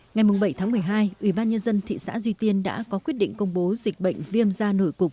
ngày bảy một mươi hai ubnd thị xã duy tiền đã có quyết định công bố dịch bệnh viêm gian nổi cục